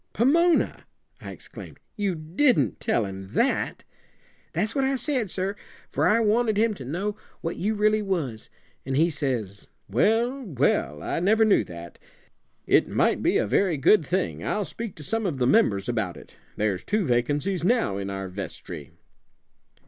"Pomona!" I exclaimed. "You didn't tell him that?" "That's what I said, sir, for I wanted him to know what you really was; an' he says, 'Well, well, I never knew that. It might be a very good thing. I'll speak to some of the members about it. There's two vacancies now in our vestry.'"